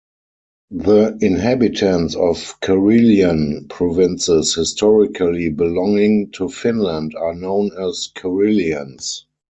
The inhabitants of Karelian provinces historically belonging to Finland are known as Karelians.